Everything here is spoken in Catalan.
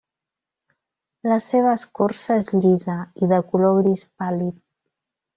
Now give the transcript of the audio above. La seva escorça és llisa i de color gris pàl·lid.